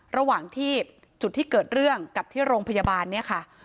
ระหว่างที่จุดที่เกิดเรื่องกับที่โรงพยาบาลเนี่ยค่ะ